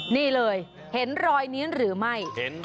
นี่เลยเห็นรอยนี้หรือไม่